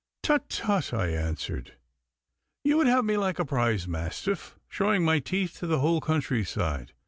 'Tut! tut!' I answered; 'you would have me like a prize mastiff, showing my teeth to the whole countryside.